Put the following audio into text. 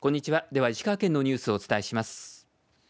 では、石川県のニュースをお伝えします。